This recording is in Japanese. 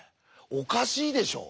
おかしいでしょ！